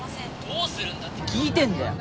どうするんだって聞いてんだよ！